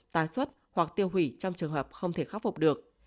tái xuất hoặc tiêu hủy trong trường hợp không thể khắc phục được